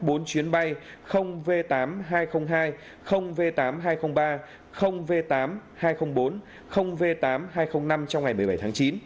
trên đường bay giữa hà nội và điện biên vasco sẽ không khai thác bốn chuyến bay v tám nghìn hai trăm linh hai v tám nghìn hai trăm linh ba v tám nghìn hai trăm linh bốn v tám nghìn hai trăm linh năm trong ngày một mươi bảy tháng chín